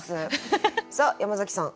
さあ山崎さん